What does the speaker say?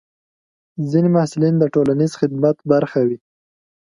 ځینې محصلین د ټولنیز خدمت برخه وي.